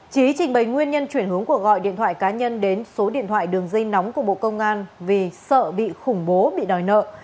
trí trình bày nguyên nhân chuyển hướng cuộc gọi điện thoại cá nhân đến số điện thoại đường dây nóng của bộ công an vì sợ bị khủng bố bị đòi nợ